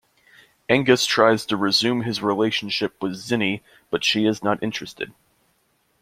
Angus tries to resume his relationship with Zinnie but she is not interested.